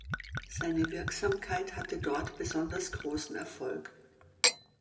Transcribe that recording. Seine Wirksamkeit hatte dort besonders großen Erfolg.